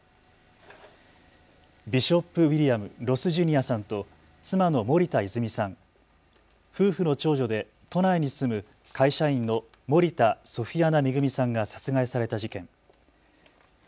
ビショップ・ウィリアム・ロス・ジュニアさんと妻の森田泉さん、夫婦の長女で都内に住む会社員の森田ソフィアナ恵さんが殺害された事件。